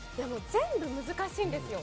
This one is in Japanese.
全部難しいんですよ。